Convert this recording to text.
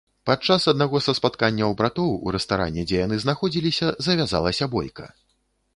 Падчас аднаго са спатканняў братоў у рэстаране, дзе яны знаходзіліся, завязалася бойка.